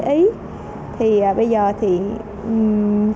thì bây giờ thì em cảm thấy là em không biết phải diễn đạt cái ý của mình như thế nào